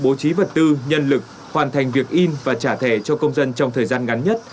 bố trí vật tư nhân lực hoàn thành việc in và trả thẻ cho công dân trong thời gian ngắn nhất